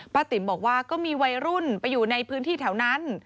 ติ๋มบอกว่าก็มีวัยรุ่นไปอยู่ในพื้นที่แถวนั้น